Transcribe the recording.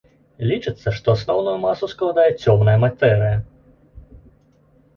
Лічыцца, што асноўную масу складае цёмная матэрыя.